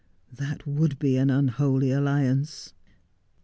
That would be an unholy alliance.'